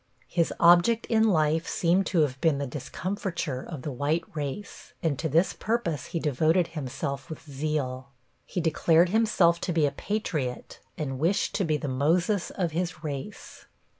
His object in life seemed to have been the discomfiture of the white race, and to this purpose he devoted himself with zeal. He declared himself to be a "patriot," and wished to be the Moses of his race.